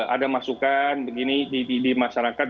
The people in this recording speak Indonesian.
ada masukan begini di masyarakat